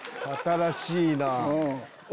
新しいなぁ。